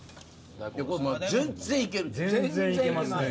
全然いけますね。